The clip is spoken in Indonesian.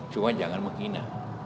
cuma jangan menghina